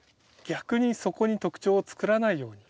逆にそこに特徴をつくらないように。